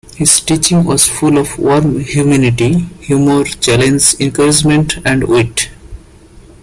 His teaching was full of warm humanity, humor, challenge, encouragement, and wit.